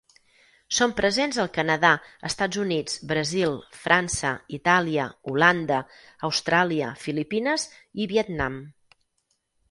Són presents al Canadà, Estats Units, Brasil, França, Itàlia, Holanda, Austràlia, Filipines i Vietnam.